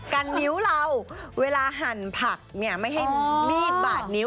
กันนิ้วเราเวลาหั่นผักเนี่ยไม่ให้มีดบาดนิ้ว